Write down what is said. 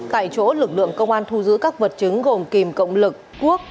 tại chỗ lực lượng công an thu giữ các vật chứng gồm kìm cộng lực quốc